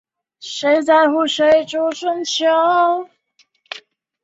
阿尔加村委员会是俄罗斯联邦阿穆尔州谢雷舍沃区所属的一个村委员会。